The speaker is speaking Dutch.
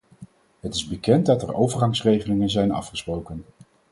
Het is bekend dat er overgangsregelingen zijn afgesproken.